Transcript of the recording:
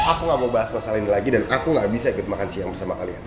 aku gak mau bahas masalah ini lagi dan aku gak bisa ikut makan siang bersama kalian